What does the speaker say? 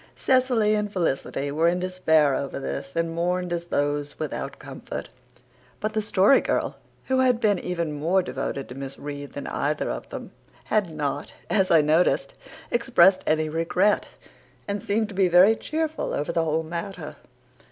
Cecily and Felicity were in despair over this and mourned as those without comfort. But the Story Girl, who had been even more devoted to Miss Reade than either of them, had not, as I noticed, expressed any regret and seemed to be very cheerful over the whole matter.